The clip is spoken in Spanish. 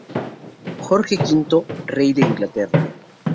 Jorge V, Rey de Inglaterra.